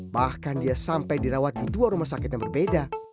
bahkan dia sampai dirawat di dua rumah sakit yang berbeda